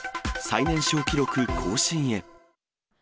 最年少記録更新へ。